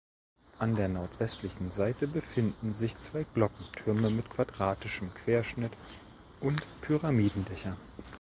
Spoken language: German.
An der nordwestlichen Seite befinden sich zwei Glockentürme mit quadratischem Querschnitt und Pyramidendächern.